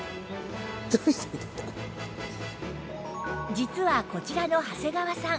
実はこちらの長谷川さん